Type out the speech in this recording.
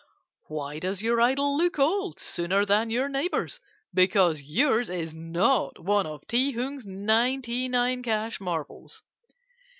"Why does your idol look old sooner than your neighbours? Because yours is not one of Ti Hung's ninety nine cash marvels.